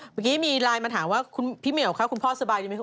เมื่อกี้มีไลน์มาถามว่าคุณพี่เหมียวคะคุณพ่อสบายดีไหมค